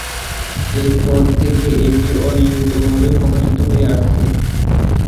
এরপর থেকে এটি অনিয়মিতভাবে প্রকাশিত হয়ে আসছে।